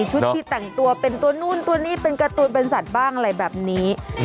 ชุดที่แต่งตัวเป็นตัวนู่นตัวนี้เป็นการ์ตูนเป็นสัตว์บ้างอะไรแบบนี้